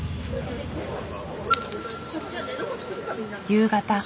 夕方。